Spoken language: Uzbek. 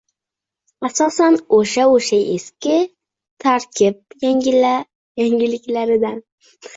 Asosan o‘sha-o‘sha eski tarkib, yangiliklardan